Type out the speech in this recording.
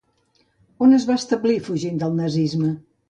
On es va establir fugint del nazisme?